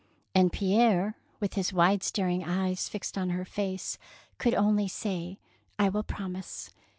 '* And Pierre, with his wide staring eyes fixed on her face, could only say,— " I will promise."